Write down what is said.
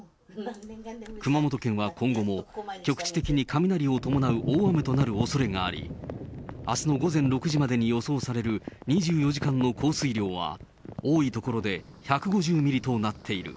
熊本県は今後も局地的に雷を伴う大雨となるおそれがあり、あすの午前６時までに予想される２４時間の降水量は、多い所で１５０ミリとなっている。